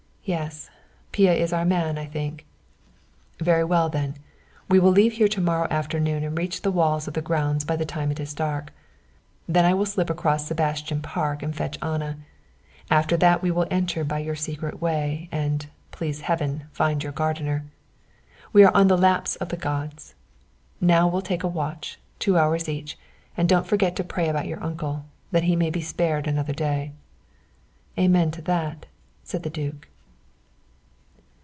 Yes, Pia is our man, I think." "Very well, then; we will leave here to morrow afternoon and reach the walls of the grounds by the time it is dark. Then I will slip across Sebastin Park and fetch Anna. After that we will enter by your secret way, and, please Heaven, find your gardener. We are on the laps of the gods. Now we'll take a watch, two hours each, and don't forget to pray for your uncle that he may be spared another day." "Amen to that," said the duke.